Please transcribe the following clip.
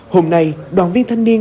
hôm nay đoàn viên thanh niên